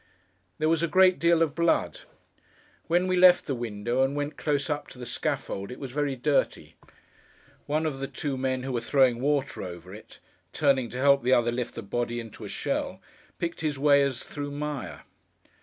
There was a great deal of blood. When we left the window, and went close up to the scaffold, it was very dirty; one of the two men who were throwing water over it, turning to help the other lift the body into a shell, picked his way as through mire.